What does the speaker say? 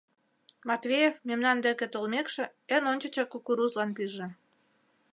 Матвеев, мемнан деке толмекше, эн ончычак кукурузлан пиже.